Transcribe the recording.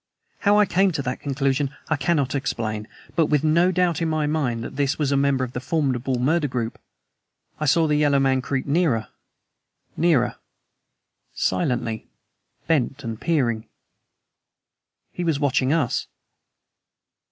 How I came to that conclusion, I cannot explain; but with no doubt in my mind that this was a member of the formidable murder group, I saw the yellow man creep nearer, nearer, silently, bent and peering. He was watching us.